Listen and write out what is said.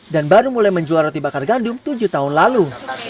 dan baru mulai menjual roti bakar gandum tujuh tahun lalu